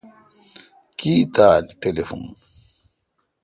کی تھال ٹلیفون ۔